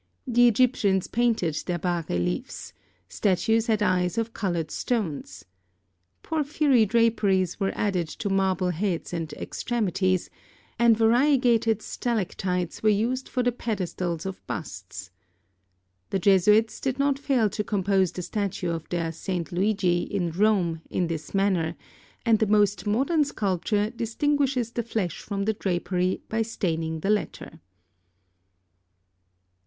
The Egyptians painted their bas reliefs; statues had eyes of coloured stones. Porphyry draperies were added to marble heads and extremities, and variegated stalactites were used for the pedestals of busts. The Jesuits did not fail to compose the statue of their S. Luigi, in Rome, in this manner, and the most modern sculpture distinguishes the flesh from the drapery by staining the latter.